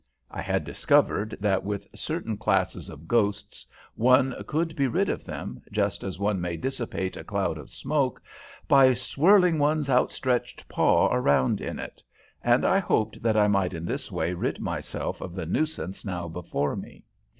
I had discovered that with certain classes of ghosts one could be rid of them, just as one may dissipate a cloud of smoke, by swirling one's outstretched paw around in it, and I hoped that I might in this way rid myself of the nuisance now before me.